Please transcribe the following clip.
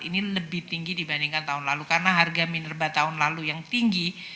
ini lebih tinggi dibandingkan tahun lalu karena harga minerba tahun lalu yang tinggi